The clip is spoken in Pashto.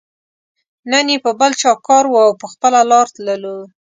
نه یې په بل چا کار وو او په خپله لار تللو.